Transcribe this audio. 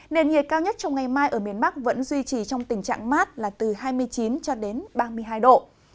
nền nhiệt cao nhất trong ngày mai ở miền bắc vẫn duy trì trong tình trạng mát là từ hai mươi chín cho đến ba mươi hai độ